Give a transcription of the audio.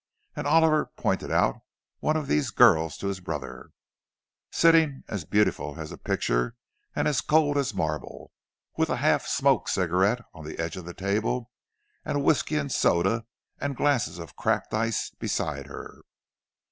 And Oliver pointed out one of these girls to his brother—sitting, as beautiful as a picture and as cold as marble, with a half smoked cigarette on the edge of the table, and whisky and soda and glasses of cracked ice beside her.